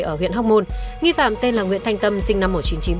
ở huyện hóc môn nghi phạm tên là nguyễn thanh tâm sinh năm một nghìn chín trăm bảy mươi